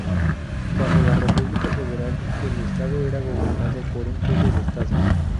Bajó la República Federal el Estado era gobernado por un Jefe de Estado.